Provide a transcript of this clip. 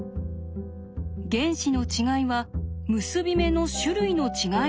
原子の違いは結び目の種類の違いなのではないか。